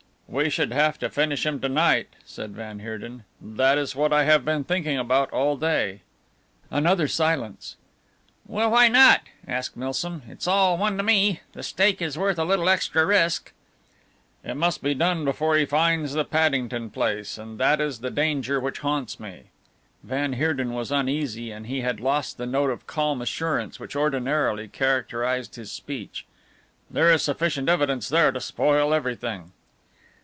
"We should have to finish him to night" said van Heerden, "that is what I have been thinking about all day." Another silence. "Well, why not?" asked Milsom, "it is all one to me. The stake is worth a little extra risk." "It must be done before he finds the Paddington place; that is the danger which haunts me." Van Heerden was uneasy, and he had lost the note of calm assurance which ordinarily characterized his speech. "There is sufficient evidence there to spoil everything."